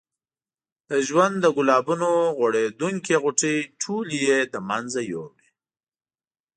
د ژوند د ګلابونو غوړېدونکې غوټۍ ټولې یې له منځه یوړې.